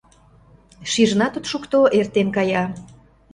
Шижынат от шукто, эртен кая.